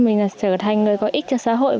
mình là trở thành người có ích cho xã hội